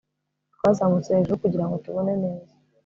Twazamutse hejuru kugirango tubone neza